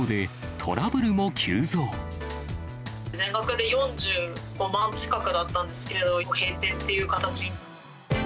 全額で４５万近くだったんですけど、閉店という形に。